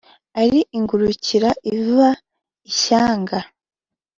ari ingurukira iva ishyanga